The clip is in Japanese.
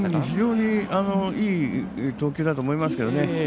非常にいい投球だと思いますけどね。